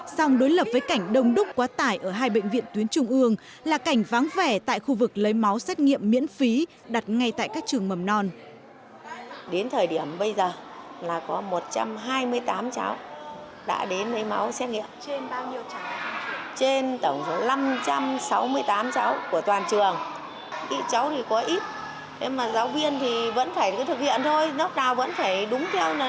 song đối lập với cảnh đông đúc quá tải ở hai bệnh viện tuyến trung ương là cảnh váng vẻ tại khu vực lấy máu xét nghiệm miễn phí đặt ngay tại các trường mầm non